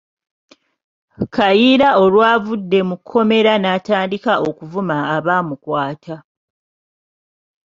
Kayiira olwavudde mu kkomera n'atandika okuvuma abaamukwata.